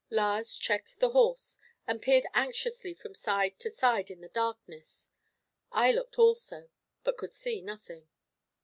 Lars checked the horse, and peered anxiously from side to side in the darkness. I looked also, but could see nothing.